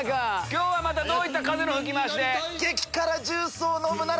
今日はまたどういった風の吹き回しで？